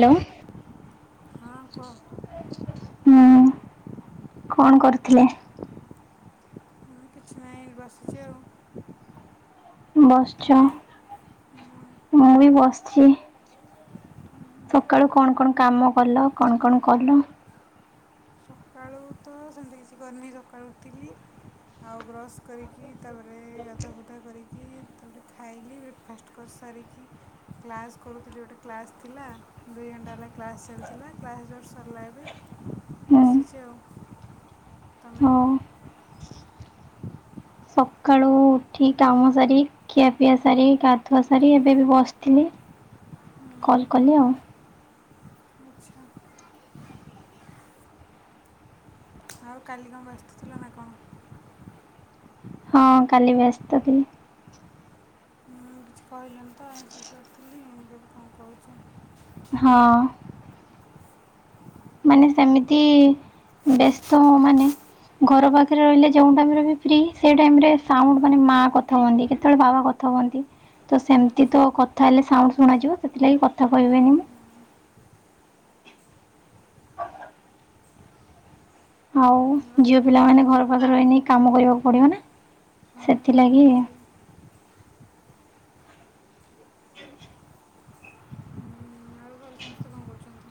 Hello. ହଁ କୁଅ। ହୁଁ କଣ କରୁଥିଲେ? କିଛି ନାହିଁ ବସିଛି ଆଉ। ବସଛ ତମେ ଉଁ, ମୁଁ ବି ବସିଛି। ସକାଳୁ କଣ କଣ କାମ କଲ କଣ କଣ କଲ? ସକାଳୁ ତ ସେମିତି କିଛି କରିନି ସକାଳୁ ଉଠିଲି ଆଉ ବ୍ରସ୍ କରିକି ତାପରେ ଗାଧାଆ ପାଧୂଆ କରିକି ତାପରେ ଖାଇଲି। ଫାଷ୍ଟ କରି ସାରିକି କ୍ଲାସ୍ କରୁଥିଲି ଗୋଟେ କ୍ଲାସ୍ ଥିଲା ଦୁଇ ଘଣ୍ଟା ହେଲା କ୍ଲାସ୍ ଚାଲିଥିଲା କ୍ଲାସ୍ ଯୁଷ୍ଟ୍ ସରିଲା ଏବେ। ହୁଁ ଚି ଆଉ ତମେ? ହଉ। ସକାଳୁ ଉଠି କାମ ସାରି ଖିଆପିଆ ସାରି ଗାଧୁଆ ସାରି ଏବେ ବି ବସିଥିଲି ଉଁ, କଲ୍ କଲି ଆଉ। ଆଚ୍ଛା [unintelligible] ଆଉ କାଲି କଣ ବ୍ୟସ୍ତୁଥିଲ ନା କଣ? ହଁ କାଲି ବ୍ୟସ୍ତଥିଲି। ମୁଁ କିଛି କହିଲନି ତ ଆ ଶେଷ ଥିଲି ଏବେ କଣ କହୁଛ? ହଁ। ମାନେ ସେମିତି ବ୍ୟସ୍ତ ମାନେ? ଘର ପାଖରେ ରହିଲେ ଯେଉଁ ଟାଇମରେ ବି ଫ୍ରି ସେଇ ଟାଇମ ରେ ସାଉଣ୍ଡ ମାନେ ମା କଥା ହୁଅନ୍ତି କେତେଳେ ବାବା କ ଥା ହୁଅନ୍ତି ତ ସେମିତି ଆଚ୍ଛା ତ କଥା ହେଲେ ସାଉଣ୍ଡ ଶୁଣାଯିବ ସେଥିଲାଗି କଥା ହଁ କହିବିନି ମୁଁ। ଆଉ ଝିଅ ପିଲା ମାନେ ଘରେ ଘର ସବୁ ପାଖରେ ରହିନେ ହିଁ କାମ କରିବାକୁ ପଡିବ ନା ହଁ ସେଥିଲାଗି। ହଁ ସେ [unintelligible] ଆଉ ଘରେ ସମସ୍ତେ କ'ଣ କରୁଛନ୍ତି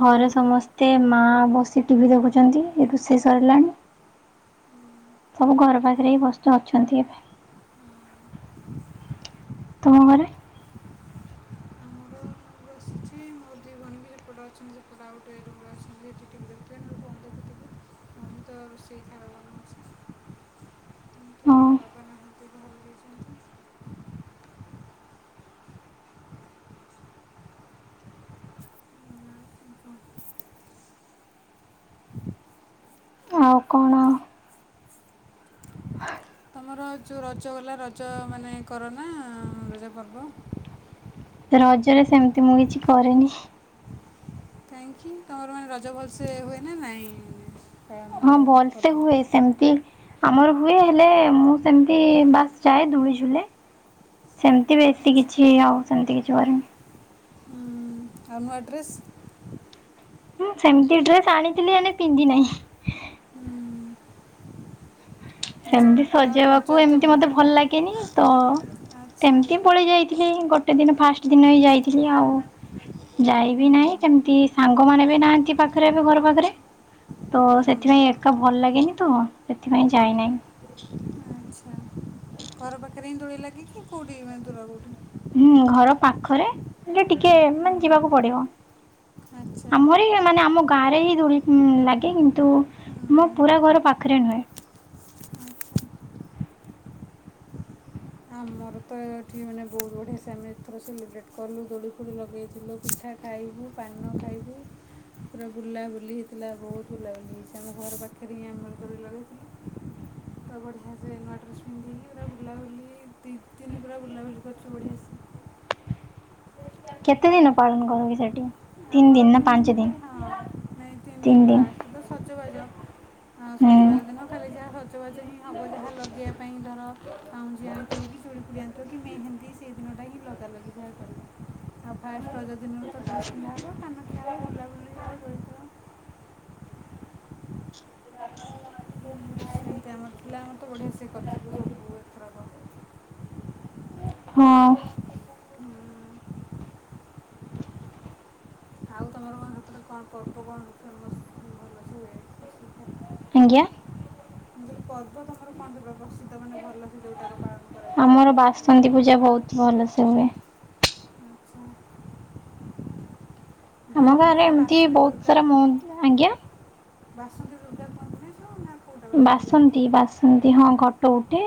ଘରେ ସମସ୍ତେ ମା ବସି ଟିଭି ଦେଖୁଛନ୍ତି ରୋଷେଇ ସରିଲାଣି। ସବୁ ଘର ପାଖରେ ଏଇ ବସ ଛ ଅଛନ୍ତି ଏବେ। ତୁମ ଘରେ? ମୋ ଦି ଭୋଉଣି ହେପଟେ ଅଛନ୍ତି ସେପଟେ ଆଉ ଗୋଟେ ରୁମ୍ ରେ ଅଛନ୍ତି ଟିଭି ଦେଖୁଥିବ ନ ହେଲେ ଫୋନ୍ ଦେଖୁିଥିବେ। ମୁଁ ତ ରୋଷେଇ ଖାଇବା ବନଉଚି। ହଁ କିୁନ୍ତୁ ବାବା ନାହାନ୍ତି ବାହାରୁକୁ ଯାଇଛନ୍ତି। କ'ଣ? ଆଉ କଣ? ତମର ଯୋଉ ରଜ ଗଲା ରଜ ମାନେ କରନା ରଜ ପର୍ବ? ରଜରେ ସେମିତି ମୁଁ କିଛି କରେନି। କାଇଁକି ତମର ମାନେ ରଜ ଭଲସେ ହୁଏ ନା ନାଇଁ? ହଁ ଭଲସେ ହୁଏ ସେମିତି ଆମର ହୁଏ ହେଲେ ମୁଁ ସେମତି ବାସ୍ ଯାଏ ଦୋଳିଝୁଲେ। ସେମିତି ବେଶୀ କିଛି ଆଉ ସେମିତି କିଛି କରେନି। ଆଉ ନୂଆ ଡ଼୍ରେସ୍। ହୁଁ ସେମିତି ଡ୍ରେସ୍ ଆଣିଥିଲି ହେଲେ ପିନ୍ଧି ନାହିଁ। ଆଚ୍ଛା ସେମତି ତା ରଜ ସଜେଇବାକୁ ଏତେ ଏମିତି ମତେ ଭଲ ଲାଗେନି ତ ଆଚ୍ଛା ସେମିତି ପଳେଇ ଯାଇ ଥିଲି ଗୋଟେ ଦିନ ଫାଷ୍ଟ ଦିନ ଇ ଯାଇଥିଲି ଆଉ ଯାଇବି ନାହିଁ ସେମତି ସାଙ୍ଗମାନେ ବି ନାହାନ୍ତି ପାଖରେ ଏବେ ଘର ପାଖରେ ତ ସେଥିପାଇଁ ତ ଭଲ ଲାଗିନି ତ ସେଥିପାଇଁ ଯାଇନେଇଁ। ଆଚ୍ଛା ଘର ପାଖରେ ହିଁ ଦୋଳି ଲାଗିଛି କୋଉଠି ଦୁର କୋଉଠି। ହୁଁ ଘର ପାଖରେ ହେଲେ ଟିକେ ମାନେ ଯିବାକୁ ପଡିବ। ଆଚ୍ଛା ଆମରି ମାନେ ଆମ ଗାଁ ରେ ହିଁ ଦୁଳି ହୁଁ ଲାଗେ କିନ୍ତୁ ମୋ ପୁରା ଘର ପାଖରେ ନୁହେଁ। ଆମର ତ ଏଠି ମାନେ ବୋହୁତ ବଢ଼ିଆ ସେମି ଏଥର ସେଲିବ୍ରେଟ୍ କଲୁ ଦୋଳି ଫୋଳି ଲଗେଇଥିଲୁ ପିଠା ଖାଇବୁ ପାନ ଖାଇବୁ ପୁରା ବୁଲାବୁଲି ହେଇଥିଲା ବୋହୁତ ବୁଲାବୁଲି ହେଇଛି ଆମ ଘର ପାଖରେ ହିଁ ଆମରି ଦୋଳି ଲଗେଇଥିଲୁ। ତ ବଢିଆସେ ନୁଆ ଡ୍ରେସ୍ ପିନ୍ଧିକି ପୁରା ବୁଲାବୁଲି। ଦି ଦିନି ପୁରା ବୁଲାବୁଲି କରିଛୁ ବଢିଆ ସେ। କେତେ ଦିନ ପାଳନ କରକି ସେଟି? ଆମର ତିନି ଦିନ ହୁଏ ହଁ ନାଇଁ ତିନି ଦିନ ଫାଷ୍ଟ ତ ସଜବାଜ। ହଁ ହୁଁ ସଜବାଜ ଦିନ ଖାଲି ଯାହା ସଜ୍ ଜବାଜ ହିଁ ହବ ଯାହା ଲଗେଇବା ପାଇଁ ଧର ପାଉଁଜି ଆଣିଥିବ କି ଚୁଡ଼ି ଫୁଡ଼ି ଆଣିଥିବ କି ମେହେନ୍ଦି ସେଇ ଦିନଟା ହିଁ ଲଗ ଲଗାଲଗି ଯାହା କରିବୁ। ଆଉ ଫାଷ୍ଟ ରଜ ଦିନରୁ ତ ଡ୍ରେସ୍ ପିନ୍ଧା ହେବ ପାନ ଖିଆ ହେବ ବୁଲାବୁଲି ହବ ଦୋଳି ଖେଳ। [inaudible] [unintelligible] ଆମର ତ ବଢିଆ ସେ କରିଥିଲୁ ସବୁ ଏଥରକ। ହଁ। ହୁଁ। ଆଉ ତମର କଣ ସେପଟେ କଣ ପର୍ବ କଣ ଫେମସ ଭଲସେ ହୁଏ [unintelligible] ଆଁଜ୍ଞା। ମୁଁ କହିଲି ପର୍ବ ତମର କଣ ସେପଟେ ପ୍ରସିଦ୍ଧ ମାନେ ଭଲସେ ଯୋଉଟାକ ପାଳନ କରାଯାଏ କୋଉ ପର୍ବ? ପୁଜା ବହୁତ ଭଲସେ ହୁଏ। [unintelligible] ଆମ ଯୋଉ ଗାଁରେ ହୁଏ ନା ଏମିତି ବାସନ୍ତୀ ବହୁତ ଦୁର୍ଗା। ସାରା ମୁଁ ଆଜ୍ଞା। ବାସନ୍ତି ଦୁର୍ଗା କୁହନ୍ତି ନାଇଁ ସବୁ ନା କୋଉଟା ବାସନ୍ତୀ ଦୁର୍ଗା ବାସନ୍ତି ବାସ୍ ଏମତି ହଁ ଘଟ ଉଠେ,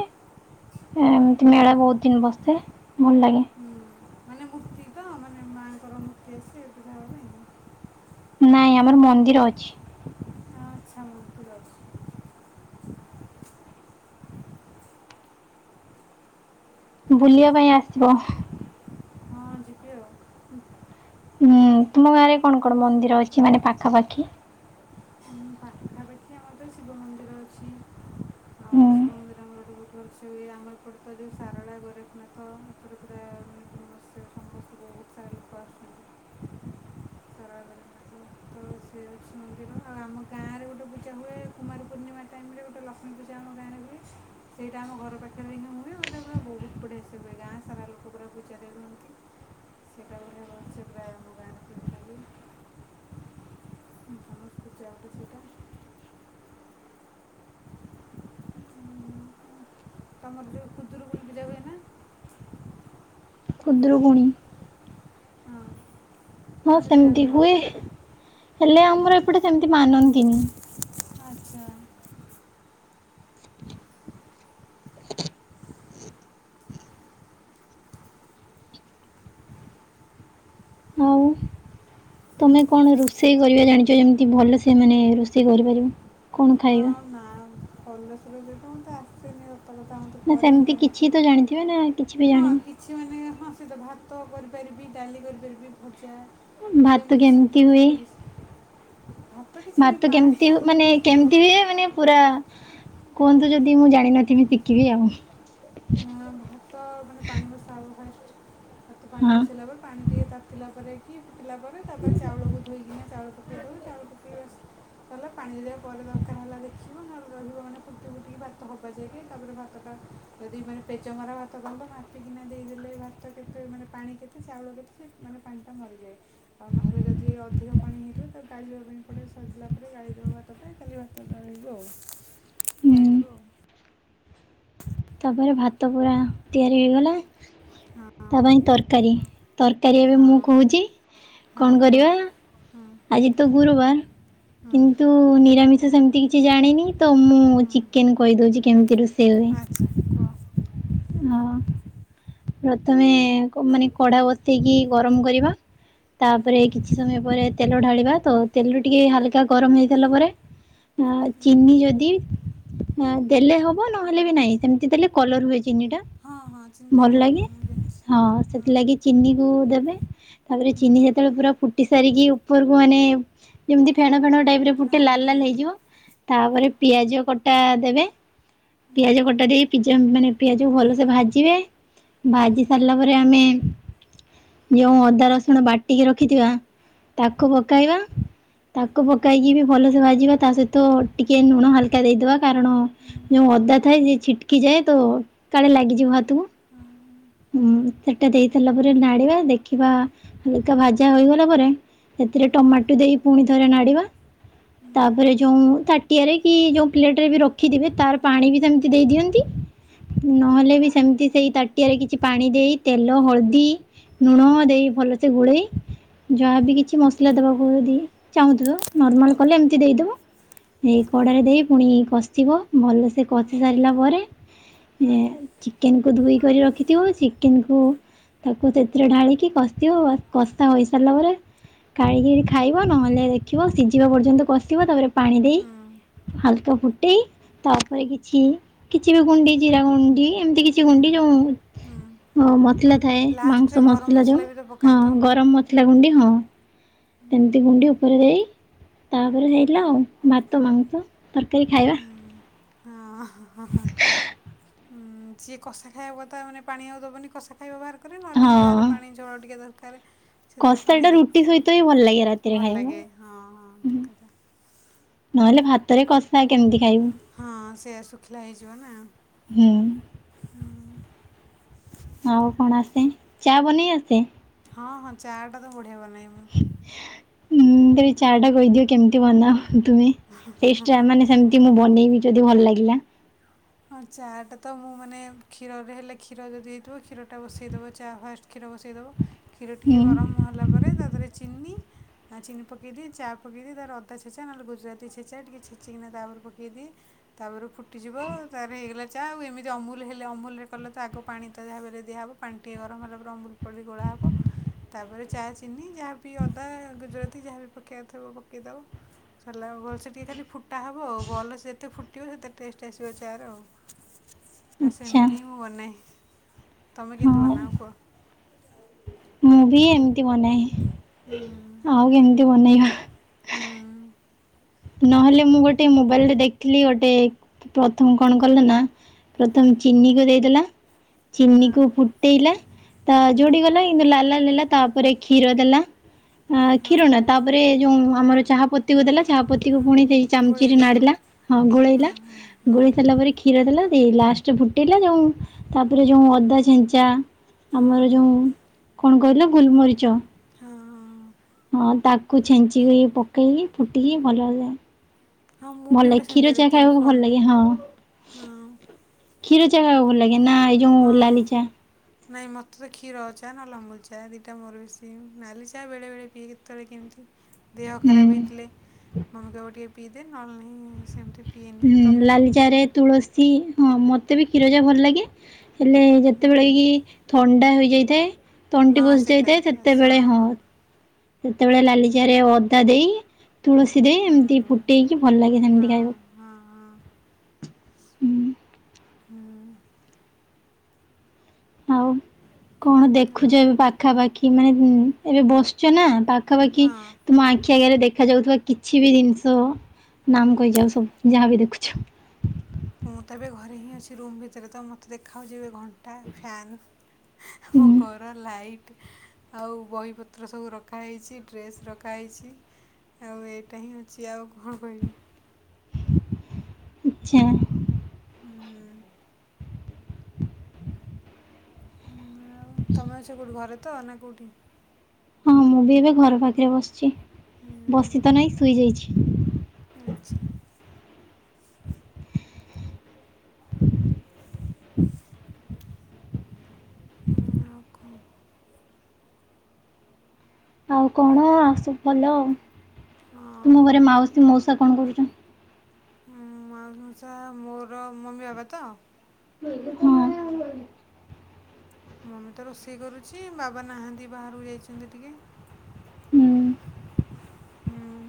ଏମିତି ମେଳା ବହୁତ ଦିନ ବସେ ଭଲ ଲାଗେ। ଉଁ ମାନେ ମୂର୍ତ୍ତି ତ ମାନେ ମାଆଙ୍କର ମୂର୍ତ୍ତି ଆସେ ପୂଜା ହବା ପାଇଁ? ନାଇଁ ଆମର ମନ୍ଦିର ଅଛି। ଆଚ୍ଛା ମନ୍ଦିର ଅଛି। ବୁଲିବା ପାଇଁ ଆସିବ। ଅଛି ହଁ ଯିବି ଆଉ ହୁଁ ନାଁ ତୁମ ଗାଁରେ କଣ କଣ ମନ୍ଦିର ଅଛି ମାନେ ପାଖାପାଖି? ଉଁ ପାଖାପାଖି ଆମ ଟେ ଶିବ ମନ୍ଦିର ଅଛି। ଆଉ ହୁଁ। ଶିବ ମନ୍ଦିର ଆମର ଗୋଟେ ବି ଠସ୍ ଉଇ ଆମ ଏପଟେ ତ ଯୋଉ ସାରଳା ଗୋରେଖନାଥ ଏପଟ ପୁରା ମସ୍ୟ ସମସ୍ତେ ବହୁତ ସାରା ଲୋକ ଆସୁଛନ୍ତି। ସାରଳା ଗୋରେଖନାଥ ତ ସେ ଅଛି ମନ୍ଦିର। ଆଉ ଆମ ଗାଁରେ ଗୋଟେ ବୁ ଜା ହୁଏ କୁମାର ପୂର୍ଣ୍ଣିମା ଟାଇମ୍ ରେ ଗୋଟେ ଲକ୍ଷ୍ମୀ ପୂଜା ଆମ ଗାଁରେ ହୁଏ ସେଇଟା ଆମ ଘର ପା ଟାଇ ହେଁ ହୁଏ ବଲେ ପୁରା ବହୁତ ବଢ଼ିଆସେ ହୁଏ ଗାଁ ସାରା ଲୋକ ପୁରା ପୁଜାରେ ରୁହନ୍ତି। ସେଇଟା ବଢ଼ିଆ ଗଛେ ପ୍ରାୟ ଆମ ଗାଁରେ [unintelligible] ହୁଏ। ଉଁ ସମସ୍ତେ ଯାହାଠୁ ସେଇଟା ଉଁ, ତମର ଯୋଉ ଖୁଦୁରୁକୁଣୀ ପୂଜା ହୁଏ ନାଁ? ଖୁଦୁରୁକୁଣୀ। ହଁ। ହଁ ନା ସେଇଟା ସେମତି ଜାଣିନ ହୁଏ ହେଲେ ଆମର ଏପଟେ ସେମତି ମାନନ୍ତିନି। ହଁ। ଆଉ ତମେ କଣ ରୋଷେଇ କରିବା ଜାଣିଚ ଯେମିତି ଭଲସେ ମାନେ ରୋଷେଇ କରିପାରିବ, କଣ ଖାଇ ନାଁ ଭଲସେ ରୋଷେଇ ତ ମତେ ଆସେନି। ତମେ ତ ଆମତି ନା କରେନି ସେମିତି କିଛି ଏମିତି। ତ ଜାଣିଥିବେ ନା କିଛି ବି ଜାଣିନି ଛିମାନେ ହଁ ସେଇ ତ ଭାତ କରିପାରିବି ଡାଲି କରିପାରିବି ଭଜା ଭାତ ଏମତି କେମିତି ସିମ୍ପୁଲ ହୁଏ? ଖାଇବା କିଛି ଭାତ କିଛି ନାହିଁ ପାଣି କେମତି ବି ମାନେ ପୁରା କୁହନ୍ତୁ ଯଦି ମୁଁ ଜାଣିନଥିମି ଶିଖିବି ଆଉ। ଉଁ ଅ ଭାତ ମାନେ ପାଣି ବସା ହବ ଫାଷ୍ଟ। ଏତେ ପାଣି ହଁ ବସେଇଲା ପରେ ପାଣି ଟିଏ ତାତିଲା ପରେ କି ଫୁଟିଲା ପରେ ତାପରେ ଚାଉଳକୁ ଧୋଇକିନା ଚାଉଳ ପକେଇ ଦବ ଚାଉଳ ପକେଇ ବାସ୍ ତାଲା ପାଣି ଦେବା ପରେ ଦରକାର ହେଲା ଦେଖିବ ନହେଲେ ରହିବ ମାନେ ଫୁଟି ଫୁଟିକି ଭାତ ହବା ଯାକେ ତାପରେ ଭାତଟା ଯଦି ମାନେ ପେଜମରା ଭାତ କଲ ମାପିକିନା ଦେଇଦେଲେ ଭାତ କେତେ ମାନେ ପାଣି କେତେ ଚାଉଳ କେ ଛେ ମାନେ ପାଣିଟା ମରିଯାଏ। ଆଉ ନହେଲେ ଯଦି ଅଧିକ ପାଣି ହେଇଥିବ ତାକୁ ଗାଳିବା ପାଇଁ ପଡ଼େ ସରିଲା ପରେ ଗାଳି ଦବ ଭାତ। ଏ କାଲି ଭାତଟା ରହିଯିବ ଆଉ ହୁଁ। ପାଣିବୁ ଆଉ। ତାପରେ ଭାତ ପୁରା ତିଆରି ହେଇଗଲା। ହଁ ତା ପାଇଁ ତରକାରୀ ତରକାରୀ ଏବେ ମୁଁ ହଁ କହୁଚି। ହଁ କଣ କୁହ କରିବା ହୁଁ ଆଜି ତ ଗୁରୁବାର। ହୁଁ କିନ୍ତୁ ନିରାମିଷ ସେମତି କିଛି ଜାଣିନି ତ ମୁଁ ହୁଁ ଚିକେନ୍ କହିଦୋଉଚି କେମିତି ରୋଷ୍ ଆଚ୍ଛା କୁହ। ହ ପ୍ରଥମେ କ ମାନେ କଢ଼ା ବସେଇକି ଗରମ କରିବା। ତାପରେ କିଛି ସମୟ ପରେ ତେଲ ଢାଳିବା ତ ତେଲ ଟିକେ ହାଲକା ଗରମ ହେଇ ସାରଲା ପରେ ଆ ଚିନି ଯଦି ଆଁ ଦେଲେ ହବ ନହେଲେ ବି ନାହିଁ ସେମିତି ଦେଲେ କଲର ହୁଏ ଚିନି ଟା। ହଁ ହଁ ଚିନ୍ତା ଭଲ ଦିଆ ଲାଗେ। ହୁଏ ମୁଁ ଜାଣିଛି ହଁ ସେଥିଲାଗି ଚିନି କୁ ଦେବେ, ତାପରେ ଚିନି ଯେତେବେଳେ ପୁରା ଫୁଟି ସାରିକି ଉପରକୁ ମାନେ ଯେମିତି ଫେଣ ଫେଣ ଟାଇପରେ ହଁ ଫୁଟେ ଲାଲ ହଁ ଲାଲ ହେଇଯିବ। ତାପରେ ପିଆଜ କଟା ଦେବେ, ହୁଁ ପିଆଜ କଟା ଦେଇ ପିଜା ମାନେ ପିଆଜକୁ ଭଲସେ ଭାଜିବେ ହୁଁ ଭାଜି ସାରିଲା ପରେ ଆମେ ଯୋଉ ଅଦା ରସୁଣ ବାଟିକି ରଖିଥିବା ହଁ ତାକୁ ପକେଇବା। ତାକୁ ପକାଇକି ବି ଭଲସେ ଭାଜିବା ତା ସହିତ ଟିକେ ଲୁଣ ହାଲକା ଦେଇଦବା କାରଣ ହୁଁ ଯୋଉ ଅଦା ଥାଏ ସେ ଛିଟକି ଯାଏ ତ କାଳେ ହଁ ଲାଗିଯିବ ହାତକୁ। ହଁ ହଁ ହୁଁ ସେଟା ଦେଇସାରିଲାପରେ ନାଡିବା ଦେଖିବା ହାଲକା ଭାଜା ହେଇଗଲା ପରେ ସେଥିରେ ହୁଁ ଟମାଟୋ ଦେଇ ପୁଣି ଥରେ ନାଡିବା ହୁଁ ତାପରେ ଯୋଉ ତା ଟିଏରେ କି ଯୋଉ ପ୍ଲେଟ ରେ ବି ରଖିଥିବ ତାର ହଁ ପାଣି ବି ସେମିତି ଦେଇ ଦିଅନ୍ତି। ନହେଲେ ବି ହୁଁ ସେମିତି ସେଇ ତାଟିଆରେ କିଛି କିଛି ପାଣି ଦେଇ ତେଲ ହଳଦୀ ଲୁଣ ଦେଇ ଭଲସେ ଗୋଳେଇ ଯାହାବି କିଛି ମସଲା ଦେବାକୁ ଯଦି ଚାହୁଁଥିବ, ନର୍ମାଲ କଲେ ଏମିତି ଦେଇଦବ। ଏଇ କଡ଼ାରେ ହଁ ଦେଇ ପୁଣି କଷିବ। ଭଲସେ ହଁ ହୁଁ କଷି ସାରିଲା ପରେ ଏ ଚିକେନ କୁ ଧୋଇ କରି ରଖ ରଖିଥିବ, ଚିକେନକୁୁ ତାକୁ ସେଥିରେ ଢାଳିକି କଷିବ, କଷା ହୋଇସାରିଲା ପରେ କାଢ଼ି କିରି ଖାଇବ ନହେଲେ ଦେଖିବ ସିଝିବା ପର୍ଯ୍ୟନ୍ତ କଷିବ, ତାପରେ ପାଣି ଦେଇ, ହାଲକା ଫୁଟେଇ ତାପରେ କିଛି କିଛି ବି ଗୁଣ୍ଡି ଜିରା ଗୁଣ୍ଡି ଏମିତି କିଛି ଗୁଣ୍ଡି ଯୋଉ ହୁଁ ହଁ ମସଲା ଥାଏ ଲାଷ୍ଟରେ ମାଂସ ଗରମ ମସଲା ଯୋଉ ବି ତ ହଁ ପକାନ୍ତି ଗରମ ମସଲା ଗୁଣ୍ଡି ହଁ। ସେମିତି ଗୁଣ୍ଡି ଉପରେ ଦେଇ ତାପରେ ହେଇଲା ଆଉ ଭାତ ମାଂସ ତରକାରୀ ଖାଇବା। ହ ହ ଉଁ ଯିଏ କଷା ଖାଇବ ତା ମାନେ ପାଣି ଆଉ ଦେବନି କଷା ଖ ଖାଇବ ବାହର କରି ନହେଲେ ଯାହାର ହଁ ପାଣି ଝୋଳ ଟିକେ ଦରକାର, ସେଥିରେ ପାଣି କଷାଟା ଦେଇକି ରୁଟି ସହିତ ହିଁ ଭଲ ଲାଗେ ଫୁଟେଇବା ରାତିରେ ଭଲ ଖାଇବା। ଲାଗେ ହଁ ହଁ ହୁଁ। ଠିକ କଥା। ନହେଲେ ଭାତରେ କଷା କେମିତି ଖାଇବୁ? ହଁ ସେଇଆ ଶୁଖିଲା ହେଇଯିବ ନା। ହୁଁ। ହୁଁ। ଆଉ କଣ ଆସେ ଚା ବନେଇ ଆସେ? ହଁ ହଁ ଚା ଟା ତ ବଢ଼ିଆ ବନାଏ ମୁଁ। ହଁ ତେବେ ଚା ଟା କହିଦିଅ କେମିତି ବନାଅ ତୁମେ? ସେଇ ଚା ମାନେ ସେମ କି ମୁଁ ବନେଇବି ଯଦି ଭଲ ଲାଗିଲା। ହଁ ଚା ଟା ତ ମୁଁ ମାନେ କ୍ଷୀରରେ ହେଲେ କ୍ଷୀର ଯଦି ହେଇଥିବ କ୍ଷୀରଟା ବସେଇଦେବ ଚା ଫାଷ୍ଟ। କ୍ଷୀର ବସେଇଦବ କ୍ଷୀର ଟିକେ ହୁଁ ଗରମ ହେଲା ପରେ ତା ଦେହରେ ଚିନି ଆ ଚିନି ପକେଇଦିଏ ଚା ପକେଇଦିଏ ତାପରେ ଅଦା ଛେଚା ନହେଲେ ଗୁଜୁରାତି ଛେଚା ଟିକେ ଛେଚିକିନା ତାପର ପକେଇଦିଏ। ତାପରେ ଫୁଟିଯିବ। ତାପରେ ହେଇଗଲା ଚା ଆଉ। ଏମିତି ଅମୁଲ ହେଲେ ଅମୁଲରେ କଲେ ତ ଆଗ ପାଣି ତା ଭାବରେ ଦିଆହେବ ପାଣି ଟିକିଏ ଗରମ ହେଲା ପରେ ଅମୁ ଳି ଗୋଳା ହେବ। ତା ପରେ ଚା ଚିନି ଯାହାବି ଅଦା ଗୁଜୁରାତି ଯାହାବି ପକେଇବାର ପକେଇଦବ। ହେଲାବେଳସୁକି ଟିକିଏ ଖାଲି ଫୁଟା ହେବ ଆଉ ଭଲସେ ଯେତେ ଫୁଟିବ ସେତେ ଟେଷ୍ଟ ଆସିବ ଚା। ତାର ନା ଆଚ୍ଛା। ସେମିତି ହିଁ ମୁଁ ବନାଏ। ତମେ ହଁ କେମିତି ବନାଅ କୁହ? ମୁଁ ବି ଏମିତି ବନାଏ ହୁଁ ଆଉ କେମିତି ବନେଇବା। ହଁ। ନହେଲେ ମୁଁ ଗୋଟେ ମୋବାଇଲରେ ଦେଖିଲି ଗୋଟେ ପ୍ରଥମ କଣ କଲେ ନା ପ୍ରଥମ ଚିନିକୁ ଦେଇଦେଲା ହଁ ଚିନିକୁ ଫୁଟେଇଲା ତା ହଁ ଯୋଡି ଗଲା କିନ୍ତୁ ଲାଲା ଲଲା ତାପରେ କ୍ଷୀର ଦେଲା। ଆ ହଁ କ୍ଷୀରଣା ତାପରେ ଯୋଉ ଆମର ଚାହା ପତିକୁ ଦେଲା ଚାହା ହୁଁ ପୋତିକୁ ପୁଣି ସେଇ ହୁଁ ଚାମଚିରେ ଗୋଳେଇଦିଏ। ନାଡ଼ିଲା ହଁ ଗୋଳେଇଲା। ହଁ ହଁ ଗୋଳି ସାରିଲା ପରେ କ୍ଷୀର ଦେଲା ଦେଇ ଲାଷ୍ଟ ଫୁଟେଇଲା ଯୋଉ ତାପରେ ଯୋଉ ଅଦା ଛେଞ୍ଚା ହଁ ଆମର ଯୋଉଁ କଣ କହିଲା ଗୋଲମରିଚ। ହଁ ହଁ ହଁ ତାକୁ ଛେଞ୍ଚିକି ପକେଇକି ଫୁଟିକି ଭଲଯାଏ। ହଁ ମୁଁ ଭଲ ବି ଲାଗେ ଗୋଟେ କ୍ଷୀର ସେମିତିଆ ଚାହା ଦେଖିଥିଲି ଖାଇବାକୁ ଭଲ ଫୋନରେ। ଲାଗେ ହଁ। କ୍ଷୀର ଚା କାହାକୁ ଭଲ ଲାଗେ ନା ଏଇ ଯଉ ଲାଲି ଚା? ନାହିଁ ମୋତେ ତ କ୍ଷୀର ଚା ନା ଅମୁଲ ଚା ଦୁଇଟା ମୋର ବେଶୀ ନାଲି ଚା ବେଳେବେେଳେ ପିଏ କେତେବେଳେ କେମିତି? ଦେହ ଖରାପ ହୁଁ। ହେଇଥିଲେ ମମି କହିବ ଟିକେ ପିଇଦେ ନହେଲେ ନାଇଁ ସେମତି ହୁଁ ଲାଲିଚା ରେ ତୁଳସୀ ହଁ ମତେ ବି କ୍ଷୀର ଚା ଭଲ ଲାଗେ। ହେଲେ ହୁଁ ଯେତେବେଳେ କି ଥଣ୍ଡା ହୋଇଯାଇଥାଏ ତଣ୍ଟି ହଁ ସେଇଟା ବସିଯାଇଥାଏ ବାସ୍ ସେତେବେଳେ ହଁ। ସେତେବେଳେ ଲାଲି ଚାରେ ଅଦା ଦେଇ ତୁଳସୀ ଦେଇ ହୁଁ। ଏମିତି ଫୁଟେଇକି ଭଲ ଲାଗେ ହଁ ସେମିତି ଖାଇବାକୁ। ହଁ ହଁ। ହୁଁ ହୁଁ ଆଉ କଣ ଦେଖୁଛ ଆଉ ଏବେ ପାଖାପାଖି ମାନେ ଏବେ ବସଛ ନା? ପାଖାପାଖି ହଁ। ତୁମ ଆଖି ଆଗରେ ଦେଖାଯାଉଥିବା କିଛି ବି ଜିନିଷ ନାମ କହିଯାଉ ସବୁ ଯାହାବି ଦେଖୁଛୁ? ମୁଁ ତ ଏବେ ଘରେ ହିଁ ଅଛି ରୁମ୍ ଭିତରେ ତ ମୋତେ ଦେଖାହେଉଛି ଏବେ ଘଣ୍ଟା ଫ୍ୟାନ୍। ମୋ ହୁଁ ଘର ଲାଇଟ୍। ଆଉ ବହିପତ୍ର ସବୁ ରଖାହେଇଛି ଡ୍ରେସ୍ ରଖାହେଇଛି। ଆଉ ଏଇଟା ହିଁ ଅଛି ଆଉ କଣ କହିବି? ଆଛା। ହୁଁ ଆଉ ତମେ ଅଛ କୋଉଠି ଘରେ ତ ନା କୋଉଠି? ହଁ ମୁଁ ବି ଏବେ ଘର ପାଖରେ ବସିଛି ହୁଁ ବସି ତ ନାହିଁ ଶୋଇଯାଇଛି। ଆଚ୍ଛା। ହଁ ଆଉ କ? ଆଉ କଣ ସବୁ ଭଲ ଆଉ ହଁ ତୁମ ଘରେ ମାଉସୀ ମଉସା କଣ କରୁଛନ୍ତି? ମଉସା ମୋର ମମି ବାବା ତ? ହ ମମି ତ ରୋଷେଇ କରୁଛି ବାବା ନାହାନ୍ତି ବାହାରକୁ ଯାଇଛନ୍ତି ଟିକେ ହୁଁ। ହୁଁ।